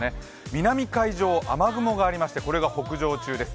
南海上、雨雲がありましてこれが北上中です。